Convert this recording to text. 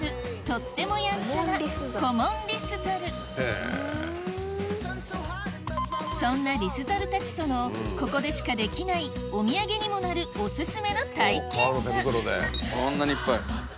とってもヤンチャなそんなリスザルたちとのここでしかできないお土産にもなるオススメの体験がこんなにいっぱい。